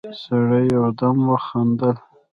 سړي يودم وخندل: